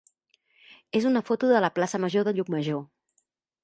és una foto de la plaça major de Llucmajor.